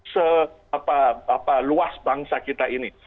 seluas bangsa kita ini